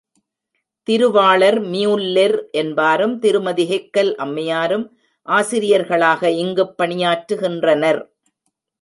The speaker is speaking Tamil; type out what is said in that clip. திருவாளர் மியூல்லெர் என்பாரும் திருமதி ஹெக்கல் அம்மையாரும் ஆசிரியர்களாக இங்குப் பணியாற்றுகின்றனர்.